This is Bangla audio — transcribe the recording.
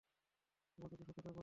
ফলে বন্ধুত্ব শত্রুতায় পরিণত হল।